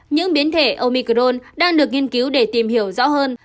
những biến thể omicrone đang được nghiên cứu để tìm hiểu rõ hơn